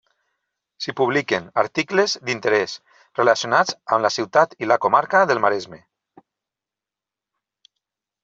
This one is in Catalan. S'hi publiquen articles d'interès relacionats amb la ciutat i la comarca del Maresme.